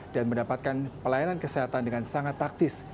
dan mendapatkan pelayanan kesehatan dengan sangat taktis